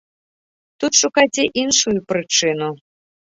Тут шукайце іншую прычыну.